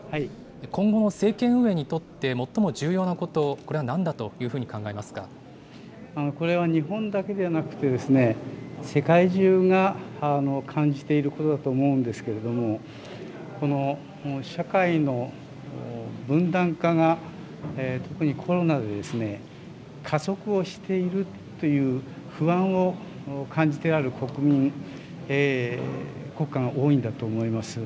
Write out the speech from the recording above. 今後の政権運営にとって最も重要なこと、これはなんだというふうこれは日本だけではなくて、世界中が感じていることだと思うんですけれども、この社会の分断化が特にコロナで加速をしているという不安を感じている国民、国家が多いんだと思います。